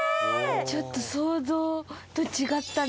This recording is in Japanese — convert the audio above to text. ちょっと想像と違ったね。